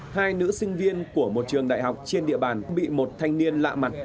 hai nữ sinh viên của một trường đại học trên địa bàn bị một thanh niên lạ mặt